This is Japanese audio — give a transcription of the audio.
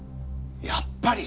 やっぱり！